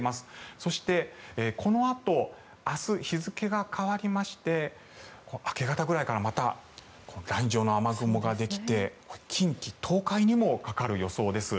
そしてこのあと明日、日付が変わりまして明け方ぐらいからまたライン状の雨雲ができて近畿、東海にもかかる予想です。